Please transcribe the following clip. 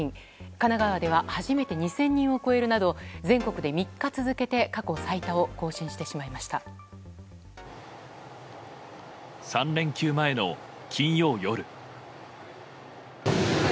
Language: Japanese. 神奈川では初めて２０００人を超えるなど全国で３日続けて過去最多を更新してしまいました。